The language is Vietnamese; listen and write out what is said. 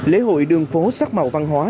lễ hội đường phố sắc màu văn hóa